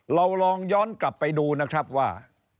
เราลองย้อนกลับไปดูนะครับว่า